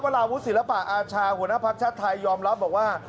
ราวุศิลปะอาชาหัวหน้าภักดิ์ชาติไทยยอมรับบอกว่า